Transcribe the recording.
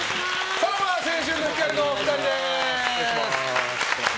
さらば青春の光のお二人です。